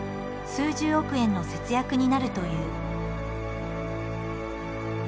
数十億円の節約になるという。